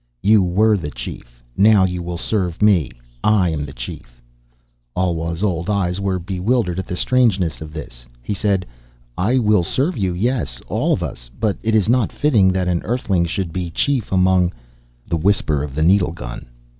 "You were the chief. Now you will serve me. I am the chief." Alwa's old eyes were bewildered at the strangeness of this. He said, "I will serve you, yes. All of us. But it is not fitting that an Earthling should be chief among " The whisper of the needle gun.